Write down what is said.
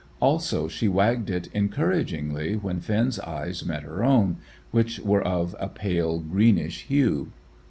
Also, she wagged it encouragingly when Finn's eyes met her own, which were of a pale greenish hue.